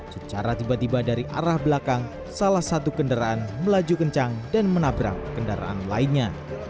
secara tiba tiba dari arah belakang salah satu kendaraan melaju kencang dan menabrak kendaraan lainnya